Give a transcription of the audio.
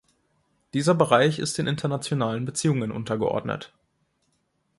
Dieser Bereich ist den Internationalen Beziehungen untergeordnet.